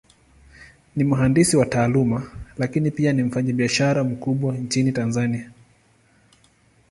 Ni mhandisi kwa Taaluma, Lakini pia ni mfanyabiashara mkubwa Nchini Tanzania.